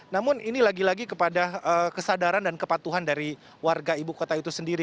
namun ini lagi lagi kepada kesadaran dan kepatuhan dari warga ibu kota itu sendiri